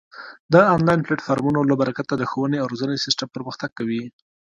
د آنلاین پلتفورمونو له برکته د ښوونې او روزنې سیستم پرمختګ کوي.